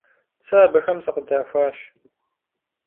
Сэ абыхэм сыкъыдахуащ.